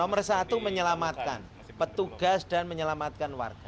nomor satu menyelamatkan petugas dan menyelamatkan warga